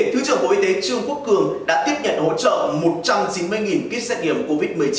thứ trưởng bộ y tế trương quốc cường đã tiếp nhận hỗ trợ một trăm chín mươi kit xét nghiệm covid một mươi chín